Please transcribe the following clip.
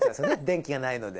電気がないので。